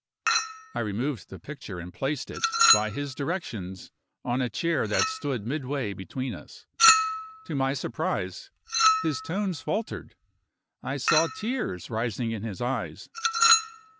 I removed the picture and placed it, by his directions, on a chair that stood midway between us. To my surprise his tones faltered; I saw tears rising in his eyes.